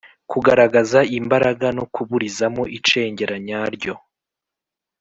kugaragaza imbaraga no kuburizamo icengera nyaryo